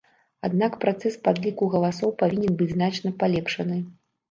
Аднак працэс падліку галасоў павінен быць значна палепшаны.